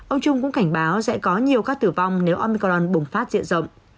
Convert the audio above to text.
ông trung cũng cảnh báo sẽ có nhiều ca tử vong nếu omicron bùng phát diện rộng